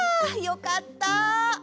よかった。